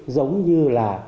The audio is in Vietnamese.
giống như là